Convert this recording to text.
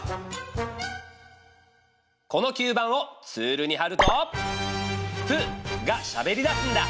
この吸盤をツールにはると「プ」がしゃべりだすんだ。